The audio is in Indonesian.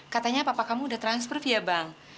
katanya papa kamu udah transfer via bank